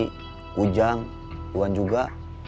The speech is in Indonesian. kujang iwan juga